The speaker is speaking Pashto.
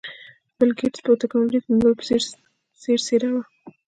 بل ګېټس په ټکنالوژۍ کې د نورو په څېر څېره وه.